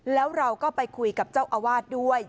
แล้วเราก็ไปคุยกับเจ้าอาวาสด้วย